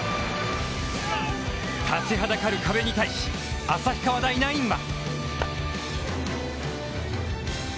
立ちはだかる壁に対し旭川大ナインは。